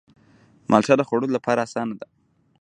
مالټه د خوړلو لپاره آسانه ده.